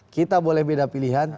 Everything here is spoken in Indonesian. kita boleh beda pilihan